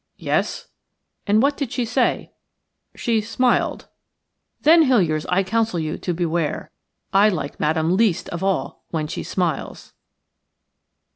"Yes." "And what did she say?" "She smiled." "Then, Hiliers, I counsel you to beware. I like Madame least of all when she smiles."